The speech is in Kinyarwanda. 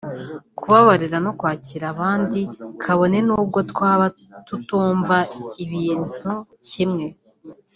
kubabarira no kwakira abandi kabone n’ubwo twaba tutumva ibintu kimwe